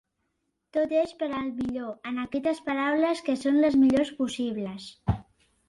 Tot és per al millor, en aquestes paraules que són les millors possibles.